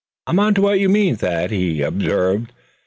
"I'm on to what you mean, Thad," he observed.